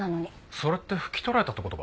それって拭き取られたって事か？